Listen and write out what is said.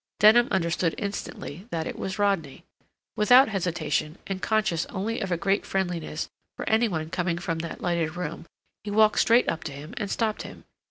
Denham understood instantly that it was Rodney. Without hesitation, and conscious only of a great friendliness for any one coming from that lighted room, he walked straight up to him and stopped him.